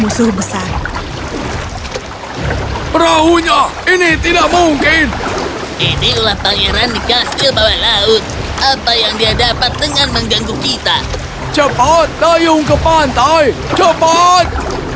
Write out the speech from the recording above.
jepat dayung ke pantai jepat